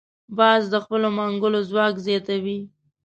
باز د خپلو منګولو ځواک زیاتوي